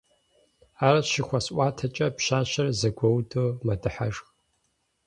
Ар щыхуэсӀуатэкӀэ, пщащэр зэгуэуду мэдыхьэшх.